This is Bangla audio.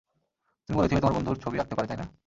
তুমি বলেছিলে তোমার বন্ধু ছবি আঁকতে পারে, তাই না?